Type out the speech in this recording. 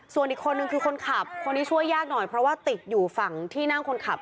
ส่วนอีกคนนึงคือคนขับคนนี้ช่วยยากหน่อยเพราะว่าติดอยู่ฝั่งที่นั่งคนขับ